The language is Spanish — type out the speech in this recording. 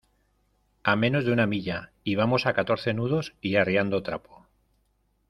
a menos de una milla. y vamos a catorce nudos y arriando trapo .